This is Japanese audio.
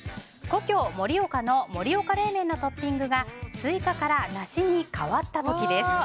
故郷・盛岡の盛岡冷麺のトッピングがスイカから梨に変わった時です。